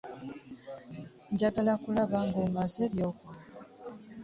Njagala kulaba nga omaze by'okola.